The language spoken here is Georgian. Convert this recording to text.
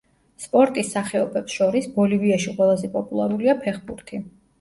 სპორტის სახეობებს შორის, ბოლივიაში ყველაზე პოპულარულია ფეხბურთი.